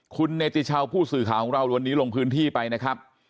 คุณเนติชาวผู้สื่อข่าวของเราวันนี้ลงพื้นที่ไปนะครับ